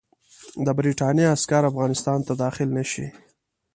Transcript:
د برټانیې عسکر افغانستان ته داخل نه شي.